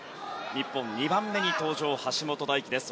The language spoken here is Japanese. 日本、２番目に登場橋本大輝です。